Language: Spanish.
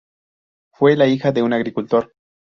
Fue la hija de un agricultor.